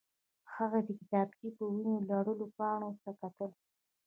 هغه د کتابچې په وینو لړلو پاڼو ته کتل